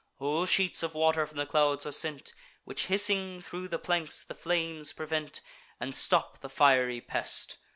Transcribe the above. Whole sheets of water from the clouds are sent, Which, hissing thro' the planks, the flames prevent, And stop the fiery pest.